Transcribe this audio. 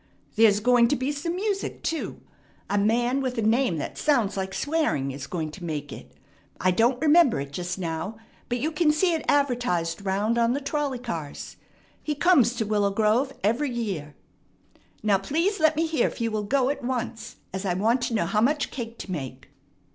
There's going to be some music too. A man with a name that sounds like swearing is going to make it. I don't remember it just now, but you can see it advertised round on the trolley cars. He comes to Willow Grove every year. Now please let me hear if you will go at once, as I want to know how much cake to make.